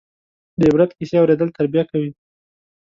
د عبرت کیسې اورېدل تربیه کوي.